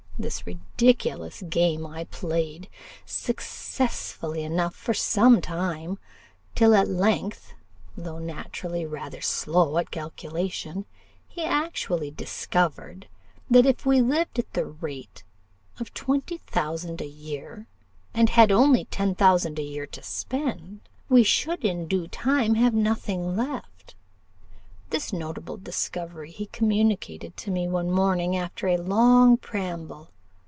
This ridiculous game I played successfully enough for some time, till at length, though naturally rather slow at calculation, he actually discovered, that if we lived at the rate of twenty thousand a year, and had only ten thousand a year to spend, we should in due time have nothing left. This notable discovery he communicated to me one morning, after a long preamble.